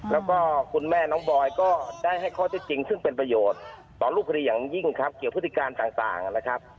แล้วก็คุณแม่น้องบอยก็ได้ให้ข้อที่จริงซึ่งเป็นประโยชน์ต่อรูปคดีอย่างยิ่งครับเกี่ยวพฤติการต่างนะครับ